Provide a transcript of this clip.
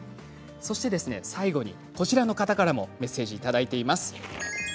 そして最後にこちらの方からもメッセージをいただいています。